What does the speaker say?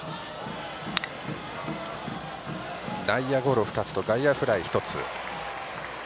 内野ゴロ２つと外野フライ１つ。